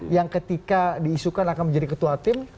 yang ketika diisukan akan menjadi ketua tim